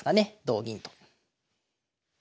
同銀と。